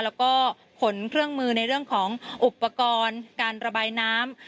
แล้วก็ขนเครื่องมือในเรื่องของอุปกรณ์การระบายน้ำ